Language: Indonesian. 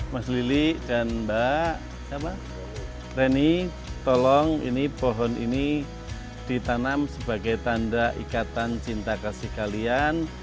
mas lili dan mbak reni tolong ini pohon ini ditanam sebagai tanda ikatan cinta kasih kalian